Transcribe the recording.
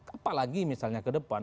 apalagi misalnya ke depan